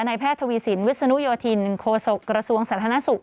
แพทย์ทวีสินวิศนุโยธินโคศกระทรวงสาธารณสุข